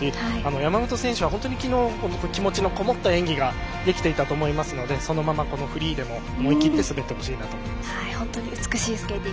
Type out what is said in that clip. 山本選手はきのう気持ちのこもった演技ができていたと思うのでこのフリーでも思い切って滑ってほしいなと思います。